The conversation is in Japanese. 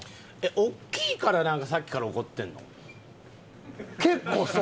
えっ大きいからなんかさっきから怒ってるの？